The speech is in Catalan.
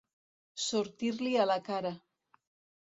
Sortir-li a la cara.